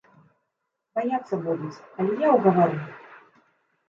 Баяцца будуць, але я ўгавару.